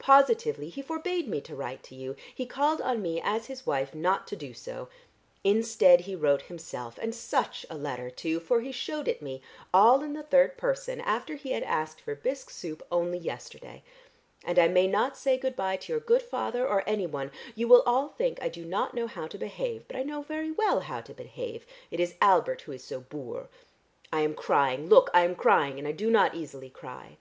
Positively he forbade me to write to you, he called on me as his wife not so to do. Instead he wrote himself, and such a letter too, for he shewed it me, all in the third person, after he had asked for bisque soup only yesterday! And I may not say good bye to your good father or anyone; you will all think I do not know how to behave, but I know very well how to behave; it is Albert who is so boor. I am crying, look, I am crying, and I do not easily cry.